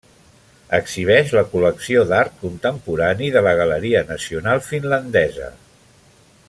Exhibeix la col·lecció d'art contemporani de la Galeria Nacional Finlandesa.